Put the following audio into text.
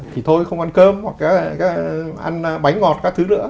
thì thôi không ăn cơm hoặc các ăn bánh ngọt các thứ nữa